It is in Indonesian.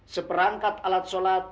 seperangkat alat sholat